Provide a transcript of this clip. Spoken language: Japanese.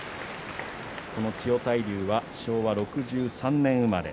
この千代大龍は昭和６３年生まれ。